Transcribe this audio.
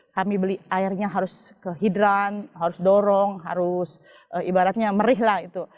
kami beli airnya harus ke hidran harus dorong harus ibaratnya merih lah itu